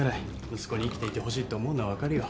息子に生きていてほしいって思うのは分かるよ。